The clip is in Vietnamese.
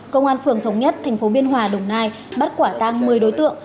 công an phường thống nhất tp biên hòa đồng nai bắt quả tăng một mươi đối tượng